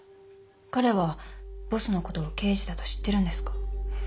彼はボスのことを刑事だと知ってるんですか？